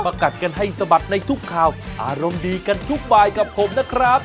กัดกันให้สะบัดในทุกข่าวอารมณ์ดีกันทุกบายกับผมนะครับ